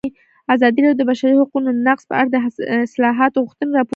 ازادي راډیو د د بشري حقونو نقض په اړه د اصلاحاتو غوښتنې راپور کړې.